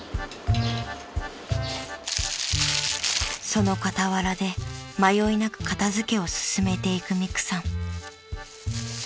［その傍らで迷いなく片付けを進めていくみくさん］